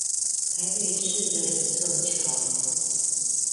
台北市的一座橋